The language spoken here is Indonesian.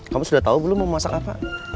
kamu sudah tahu belum mau masak apa